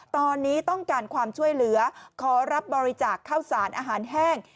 ตอนนี้ต้องการความช่วยเหลือขอรับบริจาคข้าวสารอาหารแห้ง